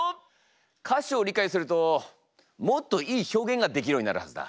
歌詞を理解するともっといい表現ができるようになるはずだ。